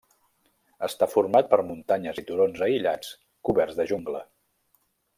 Està format per muntanyes i turons aïllats coberts de jungla.